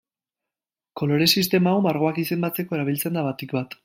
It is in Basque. Kolore sistema hau margoak izendatzeko erabiltzen da batik-bat.